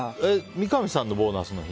三上さんのボーナスの日？